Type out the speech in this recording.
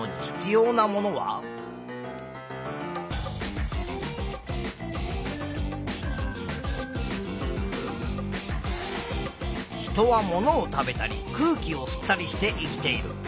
人はものを食べたり空気を吸ったりして生きている。